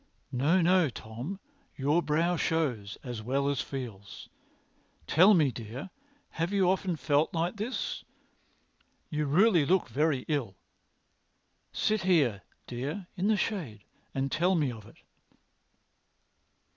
"No, no, Tom; your brow shows, as well as feels. Tell me, dear, have you often felt like this? You really look very ill. Sit here, dear, in the shade and tell me of it."